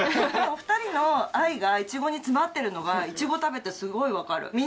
お二人の愛がイチゴに詰まってるのがイチゴを食べてすごいわかる。